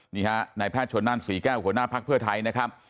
นี่ฮะนายแพทย์ชนนั่นศรีแก้วหัวหน้าภักดิ์เพื่อไทยนะครับ